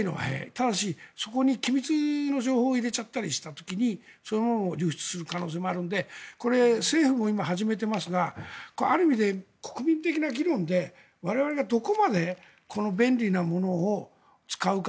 ただし、そこに機密の情報を入れちゃったりした時にそういうものが流出する可能性もあるのでこれ、政府も今始めていますがある意味で国民的な議論で我々がどこまでこの便利なものを使うか。